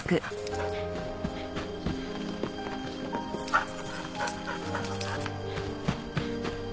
「」あっ！